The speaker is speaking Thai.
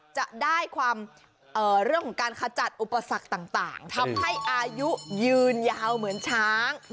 จะได้ความเรื่องของการขจัดอุปสรรคต่างทำให้อายุยืนยาวเหมือนช้าง